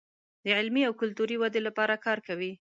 د علمي او کلتوري ودې لپاره کار کوي.